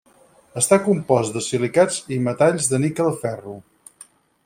Està compost de silicats i metalls de níquel-ferro.